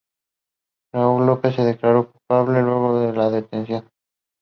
Where Are They?